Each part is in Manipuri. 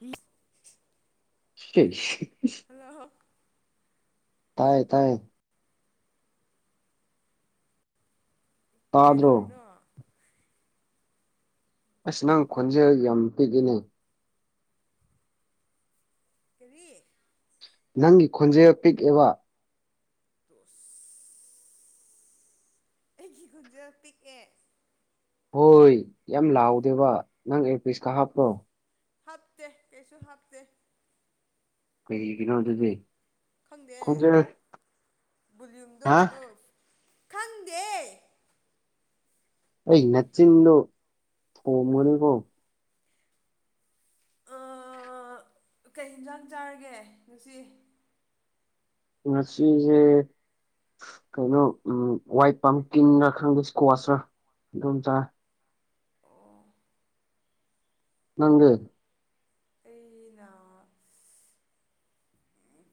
ꯍꯨꯏꯁ [unintelligible] ꯍꯜꯂꯣ ꯇꯥꯏ ꯇꯥꯏ ꯇꯥꯗ꯭ꯔꯣ ꯀꯩꯗꯧꯔꯤꯅꯣ ꯑꯁ ꯅꯪ ꯈꯣꯟꯖꯦꯜ ꯌꯥꯝ ꯄꯤꯛꯏꯅꯤ ꯀꯔꯤ ꯅꯪꯒꯤ ꯈꯣꯟꯖꯦꯜ ꯄꯤꯛꯑꯦꯕ ꯗꯣꯁ ꯑꯩꯒꯤ ꯈꯨꯣꯟꯖꯦꯜ ꯄꯤꯛꯑꯦ ꯍꯣꯏ ꯌꯥꯝ ꯂꯥꯎꯗꯦꯕ ꯅꯪ ꯏꯌꯥꯔꯄꯤꯁꯀ ꯍꯥꯞꯄ꯭ꯔ‌ꯣ ꯍꯥꯞꯇꯦ ꯀꯩꯁꯨ ꯍꯥꯞꯇꯦ ꯀꯩꯒꯤꯅꯣ ꯑꯗꯨꯗꯤ ꯈꯪꯗꯦ ꯈꯣꯟꯖꯦꯜ ꯕꯣꯂꯌꯨꯝꯗꯣ ꯍꯥ ꯀꯩꯅꯣ ꯈꯪꯗꯦ ꯑꯩ ꯅꯆꯤꯟꯗꯣ ꯊꯣꯝꯒꯅꯤꯀꯣ ꯑ ꯀꯩ ꯍꯤꯟꯖꯥꯡ ꯆꯥꯔꯒꯦ ꯉꯁꯤ ꯉꯥꯁꯤꯁꯦ ꯀꯩꯅꯣ ꯎꯝ ꯋꯥꯏꯠ ꯄꯝꯀꯤꯟꯔꯥ ꯈꯪꯗꯦ ꯏꯁꯀ꯭ꯋꯥꯁꯔꯥ ꯑꯗꯨꯝ ꯆꯥꯏ ꯑꯣ ꯅꯪꯗꯤ ꯑꯩꯅ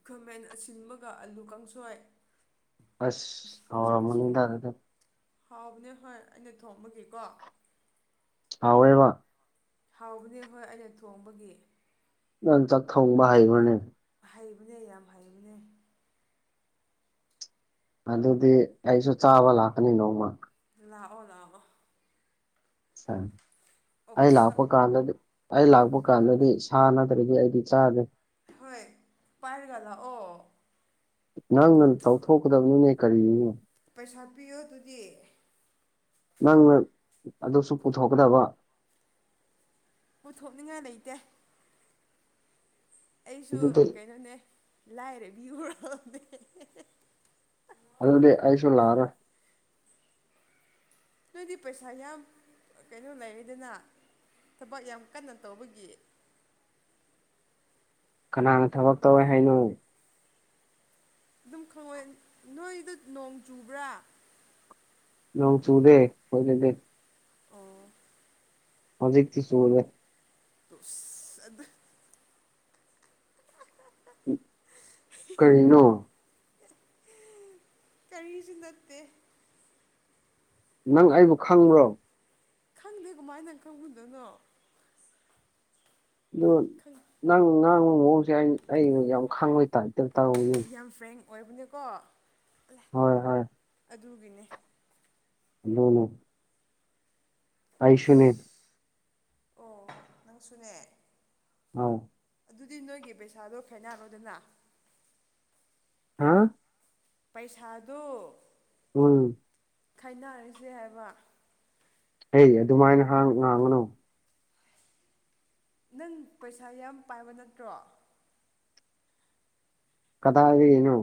ꯈꯥꯃꯦꯟ ꯑꯁꯤꯟꯕꯒ ꯑꯂꯨ ꯀꯥꯡꯁꯣꯏ ꯑꯁ ꯍꯧꯔꯝꯒꯥꯅꯤꯗꯥ ꯑꯗꯨꯗꯨ ꯍꯥꯎꯕꯅꯦ ꯍꯣꯏ ꯑꯩꯅ ꯊꯣꯡꯕꯒꯤꯀꯣ ꯍꯧꯋꯦꯕ ꯍꯥꯎꯕꯅꯦꯕꯥ ꯑꯩꯅ ꯊꯣꯡꯕꯒꯤ ꯅꯪ ꯆꯥꯛ ꯊꯣꯡꯕ ꯍꯩꯕꯔꯥꯅꯦ ꯍꯩꯕꯅꯦ ꯌꯥꯝ ꯍꯩꯕꯅꯦ ꯑꯗꯨꯗꯤ ꯑꯩꯁꯨ ꯆꯥꯕ ꯂꯥꯛꯀꯅꯤ ꯅꯣꯡꯃ ꯂꯥꯛꯑꯣ ꯂꯥꯛꯑꯣ ꯁ ꯑꯩ ꯑꯣꯛꯁꯥ ꯂꯛꯄꯀꯥꯟꯗꯗꯤ ꯑꯩ ꯂꯥꯛꯄ ꯀꯥꯟꯗꯗꯤ ꯁꯥ ꯅꯠꯇ꯭ꯔꯗꯤ ꯑꯩꯗꯤ ꯆꯥꯗꯦ ꯍꯣꯏ ꯄꯥꯏꯔꯒ ꯂꯑꯣ ꯅꯪꯅ ꯇꯧꯊꯣꯛꯀꯗꯕꯅꯤꯅꯦ ꯀꯔꯤꯅꯣ ꯄꯩꯁꯥ ꯄꯤꯌꯣ ꯑꯗꯨꯗꯤ ꯅꯪꯅ ꯑꯗꯨꯁꯨ ꯄꯨꯊꯣꯛꯀꯗꯕ ꯄꯨꯊꯣꯛꯅꯤꯡꯉꯥꯏ ꯂꯩꯇꯦ ꯑꯩꯁꯨ ꯑꯗꯨꯗꯤ ꯀꯩꯅꯣꯅꯦ ꯂꯥꯏꯔꯕꯤ ꯑꯣꯏꯔꯥꯕꯅꯦ ꯑꯗꯨꯗꯤ ꯑꯩꯁꯨ ꯂꯥꯛꯑꯔꯣꯏ ꯅꯣꯏꯗꯤ ꯄꯩꯁꯥ ꯌꯥꯝ ꯀꯩꯅꯣ ꯂꯩꯔꯦꯗꯅ ꯊꯕꯛ ꯌꯥꯝ ꯀꯟꯅ ꯇꯧꯕꯒꯤ ꯀꯅꯥꯅ ꯊꯕꯛ ꯇꯧꯋꯦ ꯍꯥꯏꯅꯣ ꯑꯗꯨꯝ ꯈꯪꯑꯦ ꯅꯣꯏꯗ ꯅꯣꯡ ꯆꯨꯕ꯭ꯔꯥ ꯅꯣꯡ ꯆꯨꯗꯦ ꯑꯩꯈꯣꯏꯗꯗꯤ ꯑꯣ ꯍꯧꯖꯦꯛꯇꯤ ꯆꯨꯔꯦ ꯑꯁ ꯑꯗꯨ ꯀꯔꯤꯅꯣ ꯀꯔꯤꯁꯨ ꯅꯠꯇꯦ ꯅꯪ ꯑꯩꯕꯨ ꯈꯪꯕ꯭ꯔꯣ ꯈꯪꯗꯦ ꯀꯃꯥꯏꯅꯥ ꯈꯪꯒꯗꯣꯏꯅꯣ [inaudible] ꯅꯪ ꯉꯥꯡꯕ ꯃꯑꯣꯡꯁꯦ ꯑ ꯑꯩꯅ ꯌꯥꯝ ꯈꯥꯡꯕꯩ ꯇꯥꯏꯇ ꯇꯧꯅꯤ ꯌꯥꯝ ꯐ꯭ꯔꯦꯡ ꯑꯣꯏꯕꯅꯦꯀꯣ ꯍꯣꯏ ꯍꯣꯏ ꯑꯗꯨꯒꯤꯅꯦ ꯂꯅ ꯑꯩꯁꯨꯅꯦ ꯅꯪ ꯁꯨꯅꯦ ꯑꯥꯎ ꯑꯗꯨꯗꯤ ꯅꯣꯏꯒꯤ ꯄꯩꯁꯥꯗꯣ ꯈꯥꯏꯅꯔꯣꯗꯅ ꯍꯥ ꯄꯩꯁꯥꯗꯨ ꯎꯝ ꯈꯥꯏꯅꯔꯤꯁꯦ ꯍꯥꯏꯕ ꯑꯩ ꯑꯗꯨꯃꯥꯏꯅ ꯉꯥꯡꯒꯅꯨ ꯅꯪ ꯄꯩꯁꯥ ꯌꯥꯝ ꯄꯥꯏꯕ ꯅꯠꯇ꯭ꯔꯣ ꯀꯗꯥꯗꯩꯅꯣ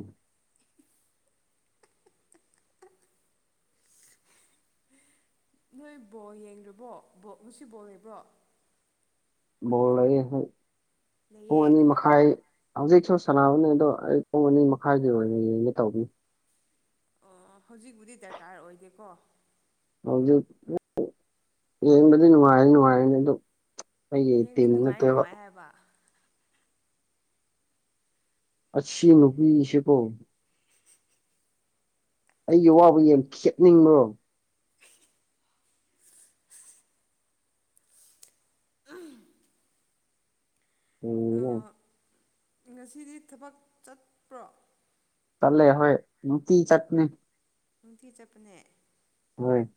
ꯅꯣꯏ ꯕꯣꯜ ꯌꯦꯡꯗꯔꯤꯕꯣ ꯉꯁꯤ ꯕꯣꯜ ꯂꯩꯕ꯭ꯔꯣ ꯕꯣꯜ ꯂꯩꯌꯦ ꯄꯨꯡ ꯂꯩꯌꯦ ꯑꯅꯤꯃꯛ ꯈꯥꯏ ꯍꯧꯖꯤꯛꯁꯨ ꯁꯥꯟꯅꯕꯅꯦ ꯑꯗꯣ ꯑꯩ ꯄꯨꯡ ꯑꯅꯤ ꯃꯈꯥꯏꯗꯩꯩ ꯑꯣꯏꯅ ꯌꯦꯡꯒꯦ ꯇꯧꯕꯅꯤ ꯑꯣ ꯍꯧꯖꯤꯛꯕꯨꯗꯤ ꯗꯔꯀꯥꯔ ꯑꯣꯏꯗꯦꯀꯣ ꯍꯧꯖꯤꯛ ꯌꯦꯡꯕꯗꯤ ꯅꯨꯡꯉꯥꯏꯔ ꯅꯨꯡꯉꯥꯏꯔꯅꯤ ꯑꯗꯨ ꯑꯩꯌꯦ ꯇꯤꯝ ꯅꯠꯇꯕ ꯇꯦꯕ ꯑꯁꯤ ꯅꯨꯄꯤꯁꯦ ꯀꯣ ꯑꯩꯒꯤ ꯋꯥꯕ ꯌꯦ ꯈꯦꯠꯅꯤꯡꯕꯣ ꯎ ꯎꯝ ꯉꯁꯤꯗꯤ ꯊꯕꯛ ꯆꯠꯄ꯭ꯔꯣ ꯇꯜꯂꯦ ꯍꯣꯏ ꯅꯨꯅꯨꯡꯇꯤ ꯆꯠꯄꯅꯤ ꯅꯨꯡꯊꯤ ꯆꯠꯄꯅꯦ ꯍꯣꯏ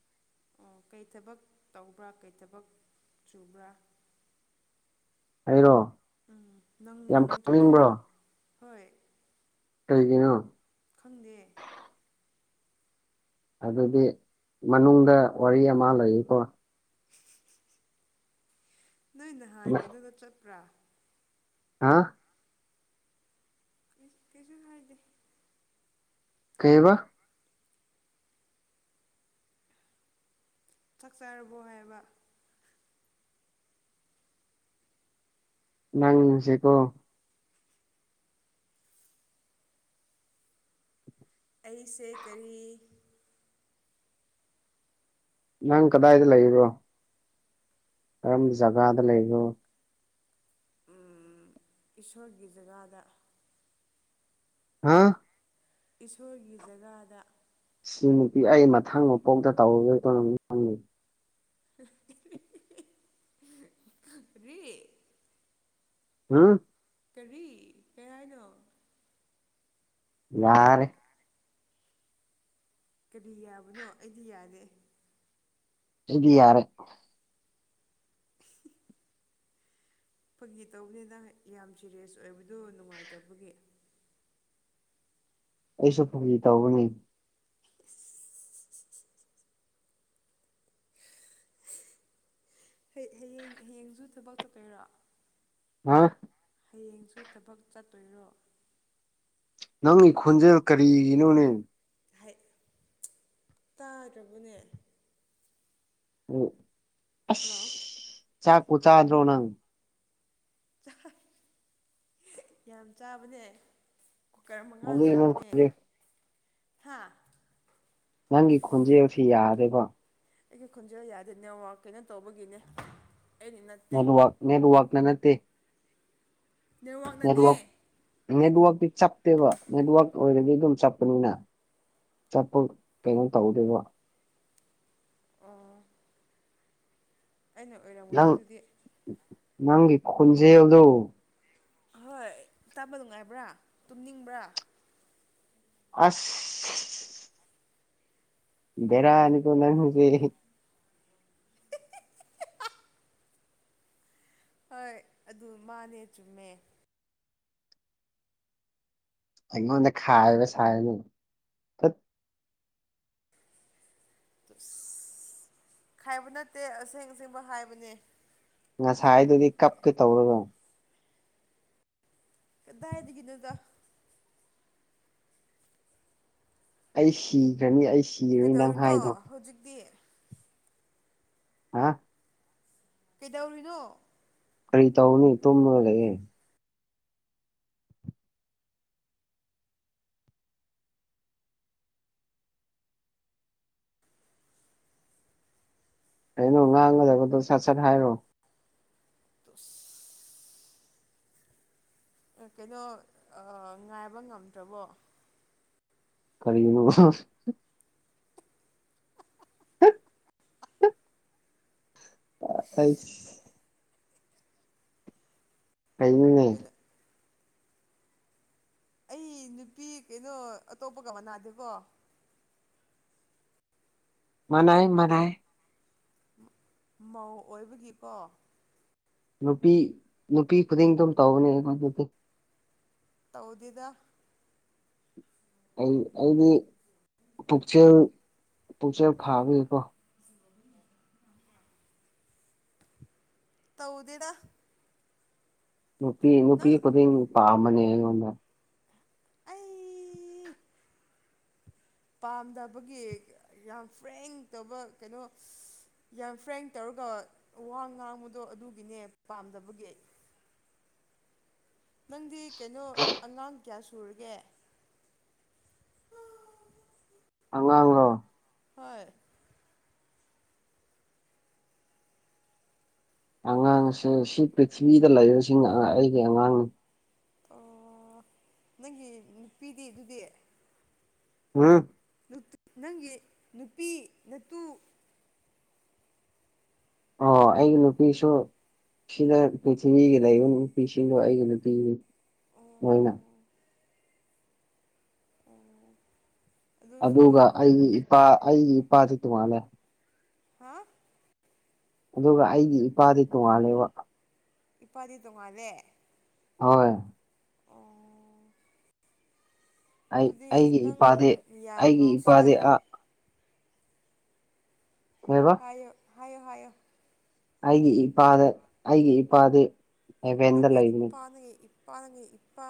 ꯑꯣ ꯀꯩ ꯊꯕꯛ ꯇꯧꯕ꯭ꯔꯥ ꯀꯩ ꯊꯕꯛ ꯆꯨꯕ꯭ꯔꯥ ꯑꯩꯔꯣ ꯎꯝ ꯅꯪ ꯌꯥꯝ ꯅꯪ ꯅꯠꯇ꯭ꯔꯗꯤ ꯈꯪꯅꯤꯡꯕ꯭ꯔꯣ ꯍꯣꯏ ꯀꯩꯒꯤꯅꯣ ꯈꯪꯗꯦ ꯑꯗꯨꯗꯤ ꯃꯅꯨꯡꯗ ꯋꯥꯔꯤ ꯑꯃ ꯂꯩꯌꯦꯀꯣ [inaudible] ꯅꯣꯏ ꯅꯍꯥꯟ ꯀꯩꯅꯣꯗ ꯆꯠꯄ꯭ꯔꯥ ꯍꯥ ꯏꯁ ꯀꯩꯁꯨ ꯍꯥꯏꯗꯦ ꯀꯩꯕ ꯆꯛ ꯆꯥꯔꯕꯣ ꯍꯥꯏꯕ ꯅꯪꯁꯦꯀꯣ ꯑꯩꯁꯦ ꯀꯔꯤ ꯅꯪ ꯀꯗꯥꯏꯗ ꯂꯩꯕꯔꯣ ꯀꯔꯝꯕ ꯖꯒꯥꯗ ꯂꯩꯅꯣ ꯎꯝ ꯏꯁꯣꯔꯒꯤ ꯖꯒꯥꯗ ꯍꯥ ꯏꯁꯣꯔꯒꯤ ꯖꯒꯥꯗ ꯁꯤ ꯅꯨꯄꯤ ꯑꯩ ꯃꯊꯪ ꯃꯄꯣꯛꯇ ꯇꯧꯔꯒꯣꯏ ꯔꯔꯤ ꯍꯥꯝ ꯀꯔꯤ ꯀꯩ ꯍꯥꯏꯅꯣ ꯌꯥꯔꯦ ꯀꯔꯤ ꯌꯥꯕꯅꯣ ꯑꯩꯗꯤ ꯌꯥꯗꯦ ꯑꯩꯗꯤ ꯌꯥꯔꯦ [inaudible] ꯐꯒꯤ ꯇꯧꯕꯅꯤꯅ ꯌꯥꯝ ꯖꯦꯂꯤꯌꯁ ꯑꯣꯏꯕꯗꯣ ꯅꯨꯡꯉꯥꯏꯇꯕꯒꯤ ꯑꯩꯁꯨ ꯐꯨꯁꯤ ꯇꯧꯕꯒꯅꯤ ꯏꯁ ꯍ ꯍꯌꯦꯡ ꯍꯌꯦꯡꯁꯨ ꯊꯕꯛ ꯆꯠꯀꯩꯔꯣ ꯍꯥ ꯍꯌꯦꯡꯁꯨ ꯊꯕꯛ ꯆꯠꯇꯣꯏꯔꯣ ꯅꯪꯒꯤ ꯈꯣꯟꯖꯦꯜ ꯀꯔꯤꯒꯤꯅꯣꯅꯦ ꯍꯥꯏ ꯇꯥꯔꯕꯅꯦ ꯑꯣ ꯑꯁ ꯍꯜꯂꯣ ꯆꯥꯛꯄꯨ ꯆꯥꯗ꯭ꯔꯣ ꯅꯪ ꯆꯥꯏ ꯌꯥꯝ ꯆꯥꯕꯅꯦ ꯀꯨꯀꯔ ꯃꯉꯥ ꯑꯗꯨꯒꯤ ꯅꯪ ꯆꯥꯕꯅꯦ ꯈꯣꯟꯖꯦꯜ ꯍꯥ ꯅꯪꯒꯤ ꯈꯣꯟꯖꯦꯜꯁꯤ ꯌꯥꯗꯦꯕ ꯑꯩꯒꯤ ꯈꯣꯟꯖꯦꯜ ꯌꯥꯗꯦ ꯅꯦꯠꯋꯥꯛ ꯀꯩꯅꯣ ꯇꯧꯕꯒꯤꯅꯦ ꯑꯩꯅ ꯅꯠꯇꯦ ꯅꯦꯠꯋꯥꯛ ꯅꯦꯠꯋꯥꯛꯅ ꯅꯠꯇꯦ ꯅꯦꯠꯋꯥꯛꯅꯅꯦ ꯅꯦꯠꯋꯥꯛ ꯅꯦꯠꯋꯥꯛꯇꯤ ꯆꯞꯇꯦꯕ ꯅꯦꯠꯋꯥꯛ ꯑꯣꯏꯔꯗꯤ ꯑꯗꯨꯝ ꯆꯠꯄꯅꯤꯅ ꯆꯠꯄ ꯀꯩꯅꯣ ꯇꯧꯗꯣꯏꯔꯤꯕ ꯑꯣ ꯑꯩꯅ ꯑꯣꯏꯔꯝꯒꯅꯤ ꯅꯪ ꯑꯗꯨꯗꯤ ꯅꯪꯒꯤ ꯈꯣꯟꯖꯦꯜꯗꯣ ꯍꯣꯏ ꯇꯥꯕ ꯅꯨꯡꯉꯥꯏꯕ꯭ꯔꯥ ꯇꯨꯝꯅꯤꯡꯕ꯭ꯔꯥ ꯑꯁ ꯚꯦꯔꯥꯅꯤꯀꯣ ꯅꯪ ꯍꯧꯖꯤꯛ ꯍꯣꯏ ꯑꯗꯨ ꯃꯥꯅꯦ ꯆꯨꯝꯃꯦ ꯑꯩꯉꯣꯟꯗ ꯈꯥꯏꯕ ꯁꯥꯔꯅꯨ ꯐꯠ ꯑꯁ ꯈꯥꯏꯕ ꯅꯠꯇꯦ ꯑꯁꯦꯡ ꯑꯁꯦꯡꯕ ꯍꯥꯏꯕꯅꯦ ꯉꯁꯥꯏꯗꯒꯤ ꯀꯞꯀꯦ ꯇꯧꯔꯒ ꯀꯗꯥꯏꯗꯒꯤꯅꯣꯗ ꯑꯩ ꯁꯤꯈ꯭ꯔꯅꯤ ꯑꯩ ꯁꯤꯔꯅꯤ ꯅꯪ ꯀꯩꯗꯧꯔꯤꯅꯣ ꯍꯥꯏꯗꯣ ꯍꯧꯖꯤꯛꯇꯤ ꯍꯥ ꯀꯩꯗꯧꯔꯤꯅꯣ ꯀꯔꯤ ꯇꯧꯔꯨꯅꯤ ꯇꯨꯝꯃꯒ ꯂꯩꯌꯦ ꯀꯩꯅꯣ ꯉꯥꯡꯒꯗꯕꯗꯣ ꯁꯠ ꯁꯠ ꯍꯥꯏꯔꯣ ꯑꯁ ꯑꯦ ꯀꯩꯅꯣ ꯉꯥꯏꯕ ꯉꯝꯗ꯭ꯔꯕꯣ ꯀꯔꯤꯅꯣ [inaudible] ꯑꯩꯁ ꯀꯩꯅꯣꯅꯦ ꯀꯩꯅꯣ ꯁꯤ ꯀꯩꯅꯣ ꯑꯇꯣꯞꯄꯒ ꯃꯥꯟꯅꯗꯦꯕꯣ ꯃꯅꯥꯏ ꯃꯅꯥꯏ ꯃꯧ ꯑꯣꯏꯕꯒꯤꯀꯣ ꯅꯨꯄꯤ ꯅꯨꯄꯤ ꯈꯨꯗꯤꯡ ꯗꯨꯝ ꯇꯧꯕꯅꯦ ꯑꯩꯈꯣꯏꯗꯗꯤ ꯇꯧꯗꯦꯗ ꯑꯩ ꯑꯩꯗꯤ ꯄꯨꯛꯆꯦꯜ ꯄꯨꯛꯆꯦꯜ ꯐꯥꯕꯒꯤꯀꯣ [inaudible] ꯇꯧꯗꯦꯗ ꯅꯨꯄꯤ ꯅꯨꯄꯤ ꯅꯪ ꯈꯨꯗꯤꯡ ꯄꯥꯝꯕꯅꯦ ꯑꯩꯉꯣꯟꯗ ꯑꯩ ꯄꯥꯝꯗꯕꯒꯤ ꯌꯥꯝ ꯐ꯭ꯔꯦꯡ ꯇꯧꯕ ꯀꯩꯅꯣ ꯌꯥꯝ ꯐ꯭ꯔꯦꯡ ꯇꯧꯔꯒ ꯋꯥ ꯉꯥꯡꯕꯗꯣ ꯑꯗꯨꯒꯤꯅꯦ ꯄꯥꯝꯗꯕꯒꯤ ꯅꯪꯗꯤ ꯀꯩꯅꯣ ꯑꯉꯥꯡ ꯀꯌꯥ ꯁꯨꯔꯒꯦ ꯑꯉꯥꯡꯂꯣ ꯍꯣꯏ ꯑꯉꯥꯡꯁꯦ ꯁꯤ ꯄ꯭ꯔꯤꯊꯤꯕꯤꯗ ꯂꯩꯔꯤꯁꯤꯡ ꯑꯩꯒꯤ ꯑꯉꯥꯡꯅꯤ ꯑꯣ ꯅꯪꯒꯤ ꯅꯨꯄꯤꯗꯤ ꯑꯗꯨꯗꯤ ꯎꯝ ꯅꯪꯒꯤ ꯅꯨꯄꯤ ꯅꯠꯇꯨ ꯑꯣ ꯑꯩꯒꯤ ꯅꯨꯄꯤꯁꯨ ꯁꯤꯅ ꯄꯨꯟꯊꯕꯤꯒꯤꯗ ꯏꯕꯨꯡ ꯅꯨꯄꯤꯁꯤꯡꯗꯣ ꯑꯩꯒꯤꯗ ꯄꯤꯔꯤ ꯑꯣ ꯃꯣꯏꯅ ꯑꯣ ꯑꯗꯨꯁꯨ ꯑꯗꯨꯒ ꯑꯩꯒꯤ ꯏꯄꯥ ꯑꯩꯒꯤ ꯏꯄꯥꯗꯤ ꯇꯣꯉꯥꯟꯜꯂꯦ ꯍꯥꯥ ꯑꯗꯨꯒ ꯑꯩꯒꯤ ꯏꯄꯥꯗꯤ ꯇꯣꯡꯉꯥꯜꯂꯦꯕ ꯏꯄꯥꯗꯤ ꯇꯣꯡꯉꯥꯜꯂꯦ ꯍꯣꯏ ꯑꯣ ꯑꯩ ꯑꯗꯨꯗꯤ ꯑꯩꯒꯤ ꯏꯄꯥꯗꯤꯦ ꯅꯪ ꯌꯥꯝ ꯑꯩꯒꯤ ꯉꯥꯎꯁꯤꯅ ꯏꯄꯥꯗꯤ ꯑꯥ ꯀꯩꯕ ꯍꯥꯏꯌꯨ ꯍꯥꯏꯌꯨ ꯍꯥꯏꯌꯨ ꯑꯩꯒꯤ ꯏꯄꯥꯗ ꯑꯩꯒꯤ ꯏꯄꯥꯗꯤ ꯍꯦꯚꯦꯟꯗ ꯅꯪꯉ ꯂꯩꯕꯅꯤ ꯏꯄꯥ ꯅꯪꯉ ꯏꯄꯥ ꯅꯪꯉ ꯏꯄꯥ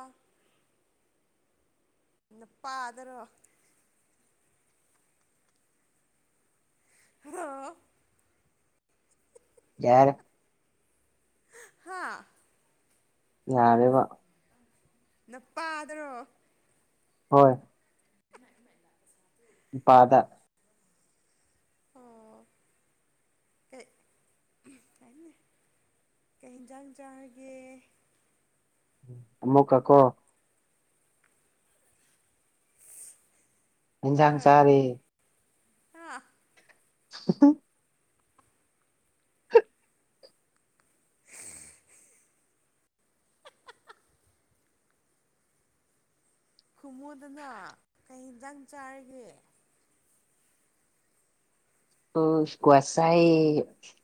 ꯅꯄꯥꯥꯗꯔꯣ ꯍꯜꯂ‌ꯣ ꯌꯥꯔ‌ꯦ ꯍꯥ ꯌꯥꯔ‌ꯦꯕ ꯅꯄꯥꯗꯔꯣ ꯍꯣꯏ [unintelligible] ꯄꯥꯗ ꯑꯣ ꯀꯩ ꯀꯩ ꯌꯦꯟꯖꯥꯡ ꯆꯥꯔꯒꯦ ꯑꯃꯨꯛꯀ ꯀꯣ ꯏꯟꯖꯥꯡ ꯍꯣꯏ ꯆꯔ‌ꯦ ꯍꯥ [unintelligible] ꯈꯨꯃꯨꯗꯅ ꯀꯩ ꯌꯦꯟꯖꯥꯡ ꯆꯥꯔꯒꯦ ꯑꯣ ꯁꯀ꯭ꯋꯥꯁ ꯆꯥꯏ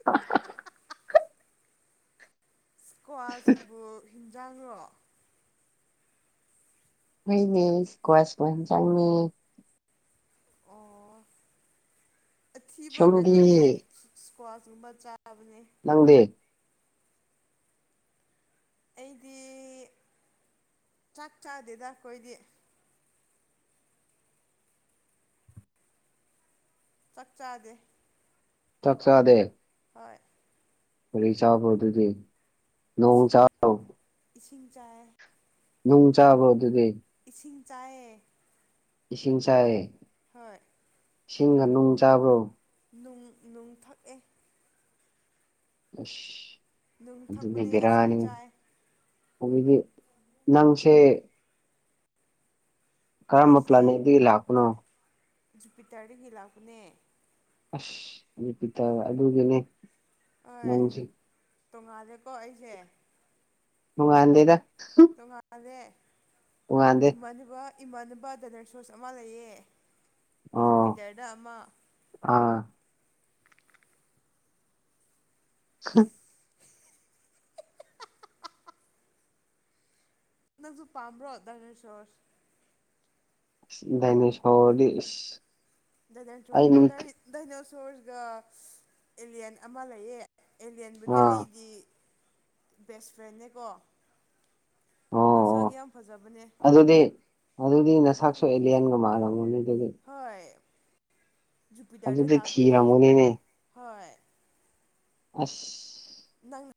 [unintelligible] ꯏꯁꯀ꯭ꯋꯥꯁ ꯕꯨ ꯍꯤꯟꯖꯥꯡꯂꯣ ꯍꯣꯏꯅꯦ ꯁꯀꯨ꯭ꯋꯥꯁ ꯏꯟꯖꯥꯡꯅ‌ꯦ ꯑꯣ ꯑꯊꯤꯕ ꯀꯩꯅꯣꯗꯤ ꯁꯣꯝꯗꯤ ꯏꯁꯀ꯭ꯋꯥꯁꯀꯨꯝꯕ ꯆꯥꯕꯅꯦ ꯅꯪꯗꯤ ꯑꯩꯗꯤ ꯆꯥꯛ ꯆꯥꯗꯦꯗ ꯑꯩꯈꯣꯏꯗꯤ ꯆꯥꯛ ꯆꯥꯗꯦ ꯆꯛꯆꯥꯗꯦ ꯍꯣꯏ ꯀꯔꯤ ꯆꯥꯕꯔꯣ ꯑꯗꯨꯗꯤ ꯅꯣꯡ ꯏꯁꯤꯡ ꯆꯥꯕ꯭ꯔꯣ ꯏꯁꯤꯡ ꯆꯥꯏ ꯅꯨꯡ ꯆꯥꯕꯔꯣ ꯑꯗꯨꯗꯤ ꯏꯁꯤꯡ ꯆꯥꯏꯑꯌꯦ ꯏꯁꯤꯡ ꯆꯥꯏ ꯍꯣꯏ ꯏꯁꯤꯡꯒ ꯅꯨꯡ ꯆꯥꯕ꯭ꯔꯣ ꯅꯨꯡ ꯅꯨꯡ ꯊꯛꯑꯦ ꯅꯨꯡ ꯑꯗꯨꯗꯤ ꯊꯛꯄꯅꯦ ꯏꯁꯤꯡ ꯕꯤꯔꯅꯤꯍꯦ ꯆꯥꯏ ꯑꯗꯨꯗꯤ ꯅꯪꯁꯦ ꯀꯔꯝꯕ ꯑꯩꯁꯦ ꯄ꯭ꯂꯥꯟꯅꯤꯗꯒꯤ ꯂꯥꯛꯄꯅꯣ ꯖꯨꯄꯤꯇꯔꯗꯒꯤ ꯂꯥꯛꯄꯅꯦ ꯑꯁ ꯌꯨꯄꯤꯇꯔ ꯑꯗꯨꯒꯤꯅꯦ ꯍꯣꯏ ꯅꯪꯁꯦ ꯇꯣꯉꯥꯜꯂꯦꯀꯣ ꯑꯩꯁꯦ ꯇꯣꯡꯉꯥꯟꯗꯦꯗ ꯇꯣꯉꯂꯦ ꯏꯃꯥꯟꯅꯕ ꯏꯃꯥꯟꯅꯕ ꯗꯅꯔ ꯁꯣꯁ ꯑꯃ ꯂꯩꯌꯦ ꯑꯣ ꯖꯨꯄꯤꯇꯔꯗ ꯑꯃ ꯑꯥ [inaudible] ꯅꯪꯁꯨ ꯄꯥꯝꯕ꯭ꯔꯣ ꯗꯥꯏꯅꯦꯁꯣꯔ ꯗꯥꯏꯅꯣꯁꯣꯔꯗꯤ ꯏꯁ ꯑꯩ ꯗꯥꯏꯅꯆꯣꯔꯁ ꯅꯨꯡ ꯗꯥꯏ ꯗꯥꯏꯅꯁꯣꯔꯁꯒ ꯑꯦꯂꯤꯂꯤꯌꯥꯟ ꯑꯃ ꯂꯩꯌꯦ ꯑꯦꯂꯤꯌꯟꯕꯨꯗꯤ ꯑꯥ ꯑꯩꯒꯤ ꯕꯦꯁ ꯐ꯭ꯔꯦꯟꯅꯦꯀꯣ ꯑꯣ ꯃꯁꯛ ꯑꯣ ꯌꯥꯝ ꯐꯖꯕꯅꯦ ꯑꯗꯨꯗꯤ ꯑꯗꯨꯗꯤ ꯅꯁꯛꯁꯨ ꯑꯦꯂꯤꯌꯥꯟꯒ ꯃꯜꯂꯝꯒꯅꯤ ꯑꯗꯨꯗꯤ ꯍꯣꯏ ꯖꯨꯄꯤꯇꯔꯗ ꯑꯗꯨꯗꯤ ꯂꯥꯛꯄꯒꯤ ꯊꯤꯔꯝꯒꯅꯤꯅꯦ ꯍꯣꯏ ꯑꯁ ꯅꯪ